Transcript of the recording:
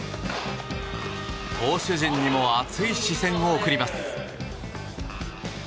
投手陣にも熱い視線を送ります。